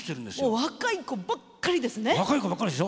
若い子ばっかりでしょ。